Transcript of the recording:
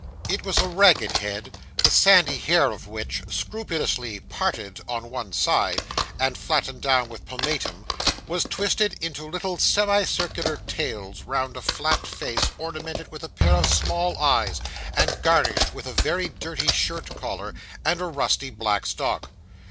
It was a ragged head, the sandy hair of which, scrupulously parted on one side, and flattened down with pomatum, was twisted into little semi circular tails round a flat face ornamented with a pair of small eyes, and garnished with a very dirty shirt collar, and a rusty black stock.